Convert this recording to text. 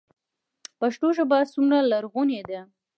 پښتو ژبه څومره لرغونې ده؟